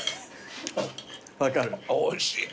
おいしい。